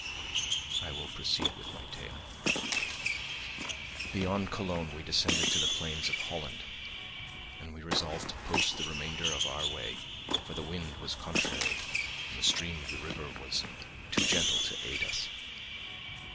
I will proceed with my tale. Beyond Cologne we descended to the plains of Holland; and we resolved to post the remainder of our way, for the wind was contrary and the stream of the river was too gentle to aid us.